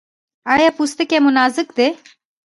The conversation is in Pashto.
ایا پوستکی مو نازک دی؟